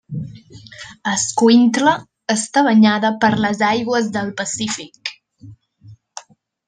Escuintla està banyada per les aigües del Pacífic.